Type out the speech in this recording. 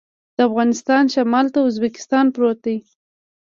د افغانستان شمال ته ازبکستان پروت دی